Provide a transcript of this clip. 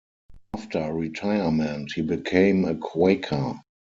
After retirement he became a Quaker.